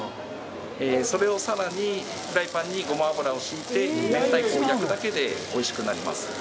それを更にフライパンにごま油を引いて明太子を焼くだけでおいしくなります。